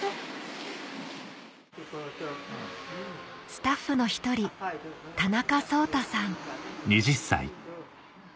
スタッフの１人田中奏汰さん